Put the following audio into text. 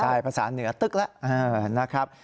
ใช่ภาษาเหนือตึ๊กแล้วนะครับ